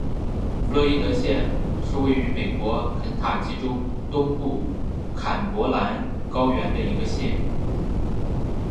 弗洛伊德县是位于美国肯塔基州东部坎伯兰高原的一个县。